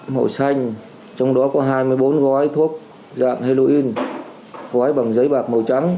màu xanh trong đó có hai mươi bốn gói thuốc dạng heroin gói bằng giấy bạc màu trắng